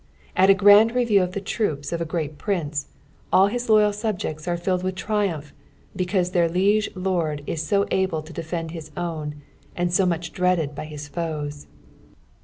At a (craiid review of the troupa of a great prince, all his loyal subjects are filled with triumph, because their liege lord is so able to defend his own, and so muuh dreaded by his foes.